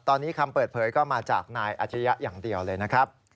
ตอนนี้คำเปิดเผยก็มาจากนายอาชิริยะอย่างเดียวเลยนะครับ